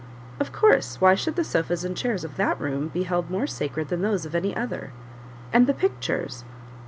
"Of course; why should the sofas and chairs of that room be held more sacred than those of any other?" "And the pictures?"